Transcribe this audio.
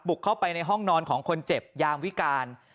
เข้าไปในห้องนอนของคนเจ็บยามวิการ